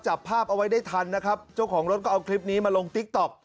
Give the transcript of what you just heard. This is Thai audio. จับภาพเอาไว้ได้ทันนะครับเจ้าของรถก็เอาคลิปนี้มาลงติ๊กต๊อก